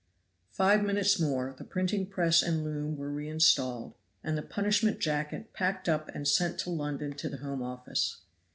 Five minutes more, the printing press and loom were reinstalled, and the punishment jacket packed up and sent to London to the Home Office.